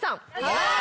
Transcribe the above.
はい。